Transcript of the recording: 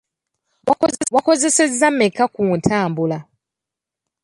Wakozesezza mmeka ku ntambula?